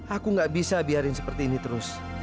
aku gak bisa biarin seperti ini terus